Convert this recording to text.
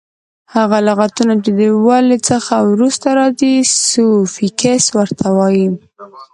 هغه لغتونه چي د ولي څخه وروسته راځي؛ سوفیکس ور ته وایي.